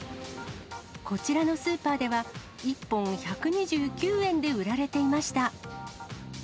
こちらのスーパーでは、１本１２９円で売られていました。